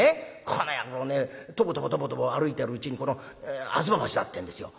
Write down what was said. この野郎ねとぼとぼとぼとぼ歩いてるうちに吾妻橋だってんですよ。